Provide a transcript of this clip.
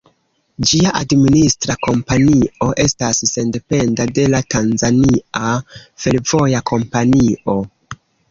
Ĝia administra kompanio estas sendependa de la Tanzania Fervoja Kompanio.